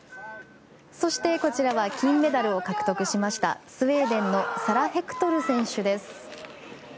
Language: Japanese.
そして金メダルを獲得しましたスウェーデンのサラ・ヘクトル選手です。